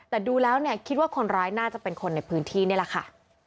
แต่ดูแล้วเนี่ยคิดว่าคนร้ายน่าจะเป็นคนในพื้นที่นี่แหละค่ะ